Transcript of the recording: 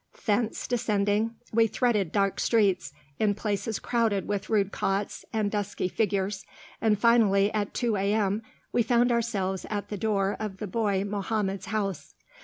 Thence descending, we threaded dark streets, in places crowded with rude cots and dusky figures, and finally at 2 A.M. we found ourselves at the door of the boy Mohammed's house.